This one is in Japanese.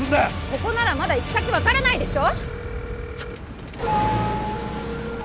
ここならまだ行き先分からないでしょ！